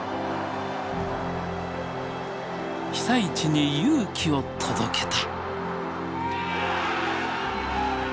被災地に勇気を届けた！